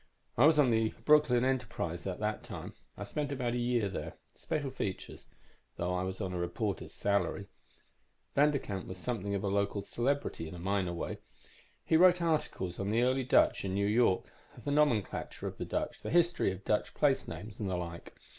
I was on the Brooklyn Enterprise at that time; I spent about a year there. Special features, though I was on a reporter's salary. Vanderkamp was something of a local celebrity in a minor way; he wrote articles on the early Dutch in New York, the nomenclature of the Dutch, the history of Dutch place names, and the like.